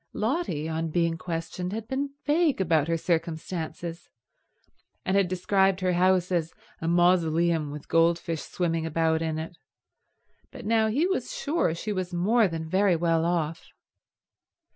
Lotty, on being questioned, had been vague about her circumstances, and had described her house as a mausoleum with gold fish swimming about in it; but now he was sure she was more than very well off.